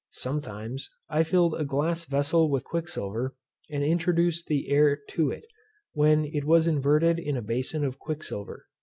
Sometimes, I filled a glass vessel with quicksilver, and introduced the air to it, when it was inverted in a bason of quicksilver.